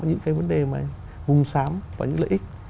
những cái vấn đề mà hung sám và những lợi ích